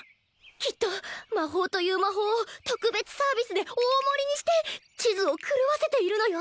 きっと魔法という魔法を特別サービスで大盛りにして地図を狂わせているのよ！